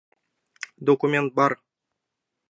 Документ бар!